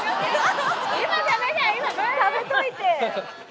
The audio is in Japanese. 食べといて。